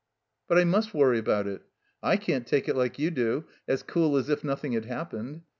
"But I must worry about it. I can't take it like you do, as cool as if nothing had happened.